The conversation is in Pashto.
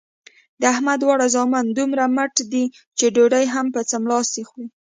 د احمد دواړه زامن دومره مټ دي چې ډوډۍ هم په څملاستې خوري.